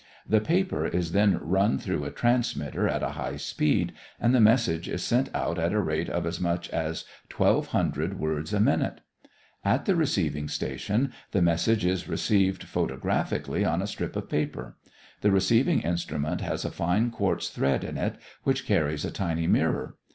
The paper is then run through a transmitter at a high speed and the message is sent out at a rate of as much as twelve hundred words a minute. At the receiving station, the message is received photographically on a strip of paper. The receiving instrument has a fine quartz thread in it, which carries a tiny mirror.